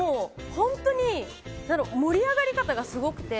本当に盛り上がり方がすごくて。